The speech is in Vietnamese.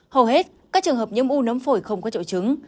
hầu hết các trường hợp nhiễm u nấm phổi không có trậu trứng